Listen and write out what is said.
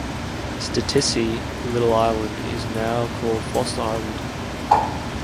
"Stitici", Little Island, is now called Foster Island.